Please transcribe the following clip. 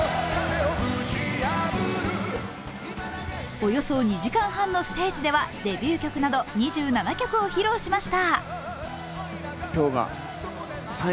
およそ２時間半のステージはデビュー曲など２７曲を披露しました。